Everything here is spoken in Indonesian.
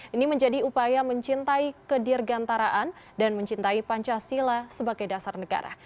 ini menjadi upaya mencintai kedirgantaraan dan mencintai pancasila sebagai dasar negara